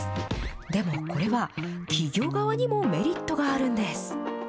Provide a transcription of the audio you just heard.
でもこれは、企業側にもメリットがあるんです。